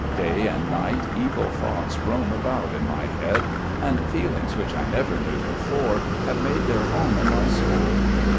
Day and night evil thoughts roam about in my head, and feelings which I never knew before have made their home in my soul.